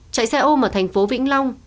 chạy xe ôm ở thành phố vĩnh long